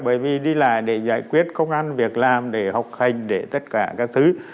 bởi vì đi lại để giải quyết công an việc làm để học hành để tất cả các thứ